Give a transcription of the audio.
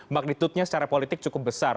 magnitudenya secara politik cukup besar